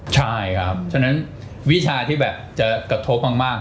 ใช่ครับฉะนั้นวิชาที่แบบจะกระทบมาก